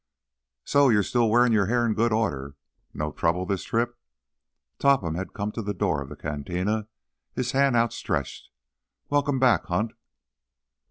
"So, you're still wearing your hair in good order? No trouble this trip?" Topham had come to the door of the cantina, his hand outstretched. "Welcome back, Hunt!"